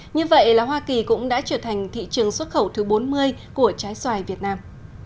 như vậy là hoa kỳ cũng đã trở thành thị trường xuất khẩu thứ bốn mươi của trái xoài việt nam